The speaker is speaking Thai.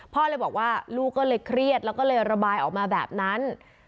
พ่อเลยบอกว่าลูกก็เลยเครียดแล้วก็เลยระบายออกมาแบบนั้น